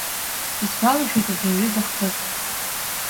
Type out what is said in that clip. Исгәалашәоит убри аҩыза хҭыск.